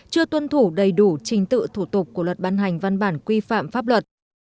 chưa tuân thủ đầy đủ trình tự thủ tục của luật ban hành văn bản quy phạm pháp luật